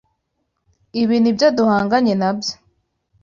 Ibi nibyo duhanganye nabyo.